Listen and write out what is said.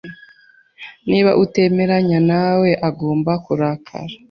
Niba utemeranya nawe, agomba kurakara.